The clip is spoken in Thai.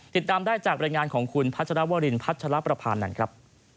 ติดตามได้จากบรรยายงานของคุณพัชรวรินพัชรประพานันทร์ครับ